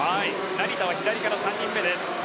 成田は左から３人目です。